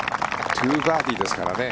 ２バーディーですからね。